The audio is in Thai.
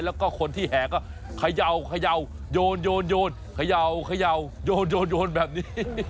แล้วก็คนที่แห่ก็ขยาวโยนโยนโยนโยนโยนโยนโยนแบบนี้